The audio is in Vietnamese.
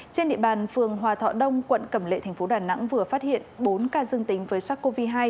trên địa bàn phường hòa thọ đông quận cẩm lệ thành phố đà nẵng vừa phát hiện bốn ca dương tính với sars cov hai